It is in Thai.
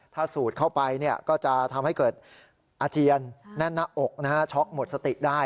ถ้าสูดเข้าไปก็จะทำให้เกิดอาเจียนแน่นหน้าอกช็อกหมดสติได้